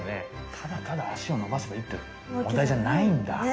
ただただあしをのばせばいいって問題じゃないんだ。